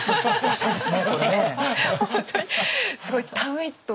そうですね。